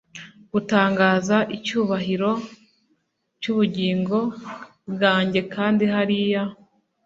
Gutangaza icyubahiro cyubugingo bwanjye kandi hariya